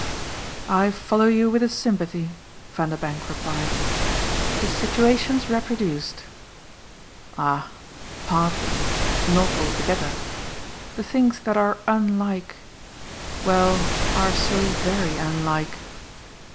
"I follow you with a sympathy !" Vanderbank replied. "The situation's reproduced." "Ah partly not altogether. The things that are unlike well, are so VERY unlike."